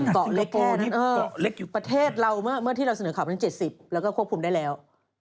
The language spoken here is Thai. เกาะเล็กแค่นี้ประเทศเราเมื่อที่เราเสนอข่าวไปตั้ง๗๐แล้วก็ควบคุมได้แล้ว